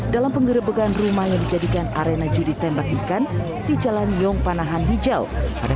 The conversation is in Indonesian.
dalam penggerebekan rumah yang dijadikan arena judi tembak ikan di jalan yong panahan hijau